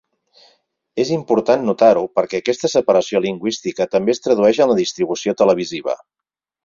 És important notar-ho perquè aquesta separació lingüística també es tradueix en la distribució televisiva.